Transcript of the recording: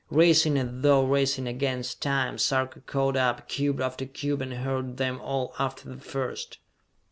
Racing as though racing against time, Sarka caught up cube after cube and hurled them all after the first.